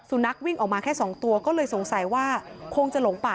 สุนัขวิ่งออกมาแค่๒ตัวก็เลยสงสัยว่าคงจะหลงป่า